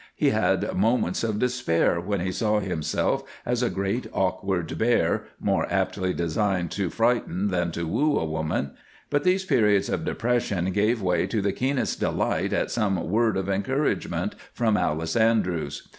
He had moments of despair when he saw himself as a great, awkward bear, more aptly designed to frighten than to woo a woman, but these periods of depression gave way to the keenest delight at some word of encouragement from Alice Andrews.